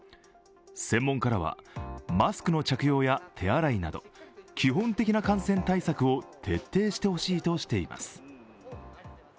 専門家らは、マスクの着用や手洗いなど基本的な感染対策を徹底してほしいとしています。